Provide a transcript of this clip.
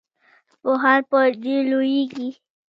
پوهان په دې لویږي.